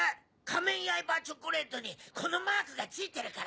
仮面ヤイバーチョコレートにこのマークが付いてるからよ！